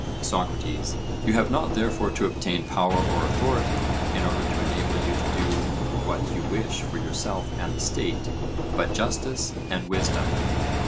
SOCRATES: You have not therefore to obtain power or authority, in order to enable you to do what you wish for yourself and the state, but justice and wisdom.